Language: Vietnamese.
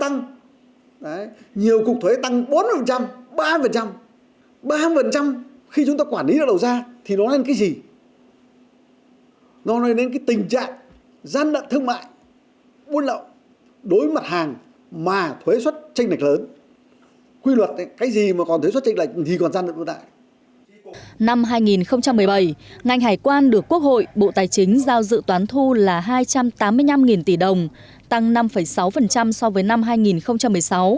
năm hai nghìn một mươi bảy ngành hải quan được quốc hội bộ tài chính giao dự toán thu là hai trăm tám mươi năm tỷ đồng tăng năm sáu so với năm hai nghìn một mươi sáu